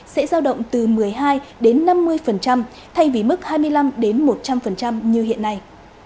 sẽ giao động từ một mươi hai đến năm mươi thay vì mức hai mươi năm một trăm linh như hiện nay